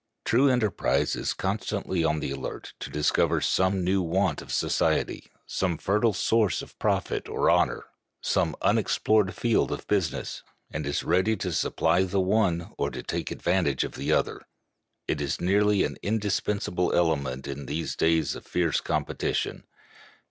True enterprise is constantly on the alert to discover some new want of society, some fertile source of profit or honor, some unexplored field of business, and is ready to supply the one or to take advantage of the other. It is nearly an indispensable element in these days of fierce competition.